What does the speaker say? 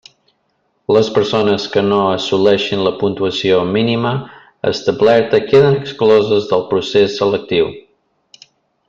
Les persones que no assoleixin la puntuació mínima establerta queden excloses del procés selectiu.